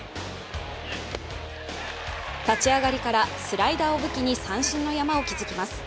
立ち上がりからスライダーを武器に三振の山を築きます。